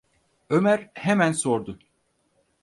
Ömer hemen sordu: